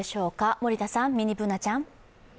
森田さん、ミニＢｏｏｎａちゃん。